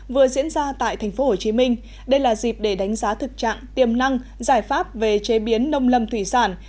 vừa diễn ra tại tp hcm đây là dịp để đánh giá thực trạng tiềm năng giải pháp về chế biến nông lâm thủy sản